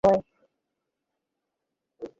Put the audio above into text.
সমস্যাটা হলো আপনাদের ভয়।